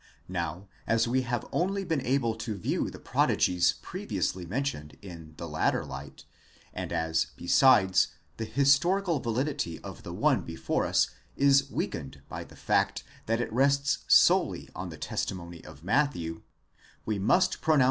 '4 Now as we have only been able to view the prodigies previously mentioned in the latter light, and as, besides, the historical validity of the one before us is weakened by the fact that it rests solely on the testimony of Matthew ; we must pronounce upon 12 The possibility of this is admitted by.